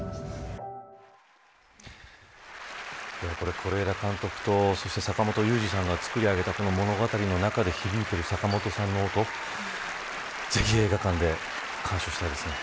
是枝監督と坂本龍一さんが作り上げた物語の中で響いている坂本さんの音ぜひ映画館で鑑賞したいですね。